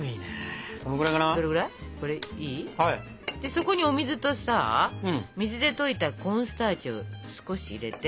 そこにお水とさ水で溶いたコーンスターチを少し入れて。